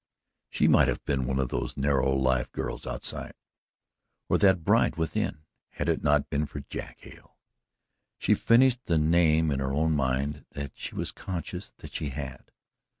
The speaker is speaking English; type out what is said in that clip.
She might have been one of those narrow lived girls outside, or that bride within had it not been for Jack Hale. She finished the name in her own mind and she was conscious that she had.